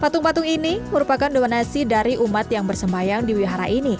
patung patung ini merupakan doa nasi dari umat yang bersemayang di wihara ini